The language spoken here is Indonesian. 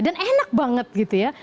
dan enak banget gitu ya